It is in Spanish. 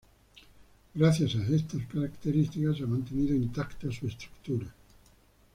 Gracias a esas características se ha mantenido intacta su estructura.